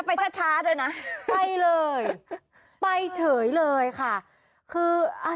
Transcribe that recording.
ไปช้าช้าด้วยนะไปเลยไปเฉยเลยค่ะคืออ่ะ